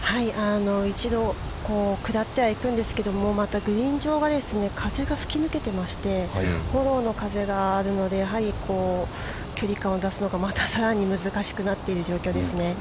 一度下っては行くんですけれども、またグリーン上が風が吹き抜けていまして、フォローの風があるので距離感を出すのが、また、さらに難しくなっている状況ですね。